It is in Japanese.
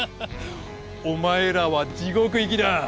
お前らは地獄行きだ！